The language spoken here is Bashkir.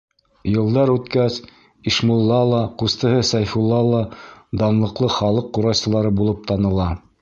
Йылдар үткәс, Ишмулла ла, ҡустыһы Сәйфулла ла данлыҡлы халыҡ ҡурайсылары булып таныла.